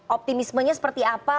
optimismenya seperti apa